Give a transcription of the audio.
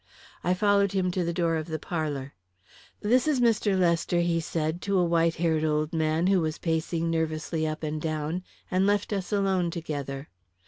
I followed him to the door of the parlour. "This is Mr. Lester," he said to a white haired old man who was pacing nervously up and down, and left us alone together.